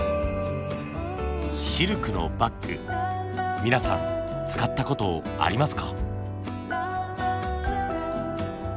シルクのバッグ皆さん使ったことありますか？